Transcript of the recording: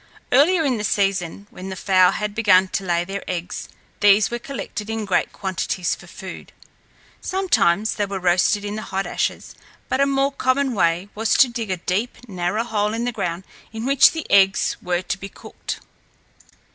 Earlier in the season, when the fowl had begun to lay their eggs, these were collected in great quantities for food. Sometimes they were roasted in the hot ashes, but a more common way was to dig a deep, narrow hole in the ground in which the eggs were to be cooked.